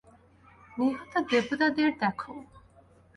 নিহত দেবতাদের দেখো।